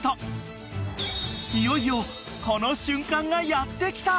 ［いよいよこの瞬間がやって来た］